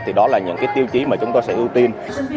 thì đó là những cái tiêu chí mà chúng tôi sẽ ưu tiên